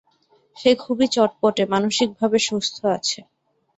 সে খুবই চটপটে, মানসিকভাবে সুস্থ আছে।